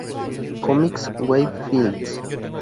CoMix Wave Films